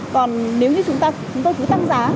còn nếu như chúng ta chúng tôi cứ tăng giá